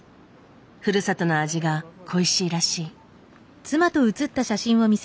ふるさとの味が恋しいらしい。